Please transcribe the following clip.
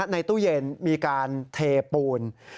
ในตู้เย็นมีการเทปูน